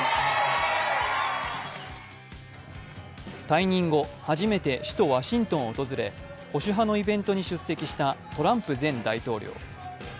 退任後、初めて首都ワシントンを訪れ、保守派のイベントに出席したトランプ前大統領。